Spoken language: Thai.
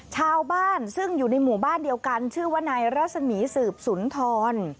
ชาวบ้านซึ่งอยู่ในหมู่บ้านเดียวกันชื่อว่านายรัศมีสืบสุนทร